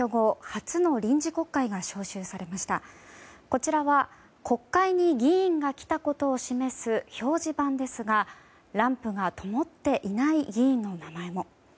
こちらは国会に議員が来たことを示す表示板ですがランプがともっていない議員の名前も。